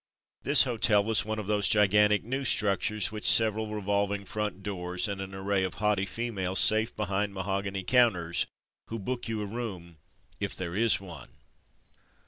This hotel was one of those gigantic new struc tures with several revolving front doors and an array of haughty females safe behind mahogany counters, who book you a room ^'if there is one.''